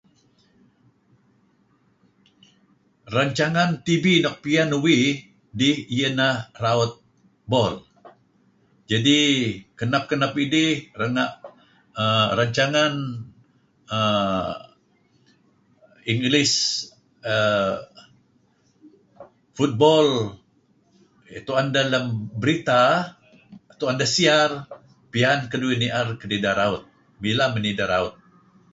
Rancangan tv nuk pian uih dih ieh ineh rautebol. Kadi' kenep-kenep idih renga' rencangan err... Englis err... football tu'en deh lem berätta, tu'en deh siar, pian keduih ni'er kedideh raut. Mileh men ideh raut.